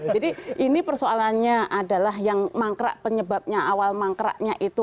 jadi ini persoalannya adalah yang mangkrak penyebabnya awal mangkraknya itu